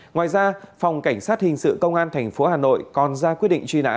ngoài ra phòng cảnh sát hình sự công an tp hà nội còn ra quyết định truy nã